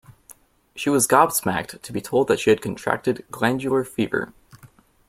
She was gobsmacked to be told that she had contracted glandular fever